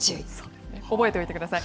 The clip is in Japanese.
覚えておいてください。